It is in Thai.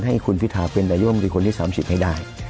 ให้คุณฐิษฐาเพียรไนย่มวิทย์คนนี้๓๐ให้ได้